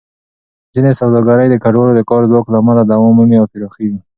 ځینې سوداګرۍ د کډوالو د کار ځواک له امله دوام مومي او پراخېږي.